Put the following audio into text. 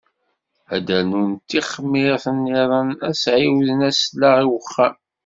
Ad d-rnun tixmirt-nniḍen, ad s-ɛiwden aslaɣ i uxxam.